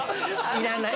いらない。